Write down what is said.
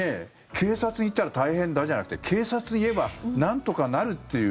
警察に言ったら大変だじゃなくて警察に言えばなんとかなるっていう。